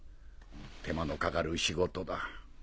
手間のかかる仕事だ。